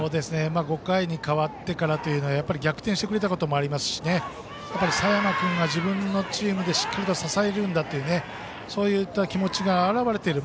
５回に代わってから逆転してくれたこともありますし佐山君が、自分のチームでしっかりと支えるんだという気持ちが現れている。